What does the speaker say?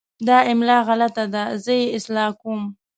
دا املا غلط ده، زه یې اصلاح کوم.